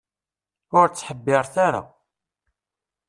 Ur ttḥebbiret ara.